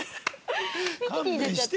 「ミキティ！」になっちゃった。